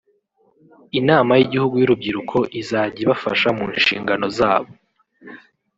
Inama y’Igihugu y’Urubyiruko izajya ibafasha mu nshingano zabo